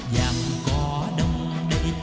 dàm cỏ đông đầy